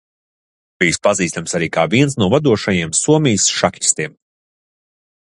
Bijis pazīstams arī kā viens no vadošajiem Somijas šahistiem.